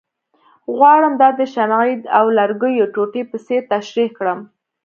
غواړم دا د شمعې او لرګیو ټوټې په څېر تشریح کړم،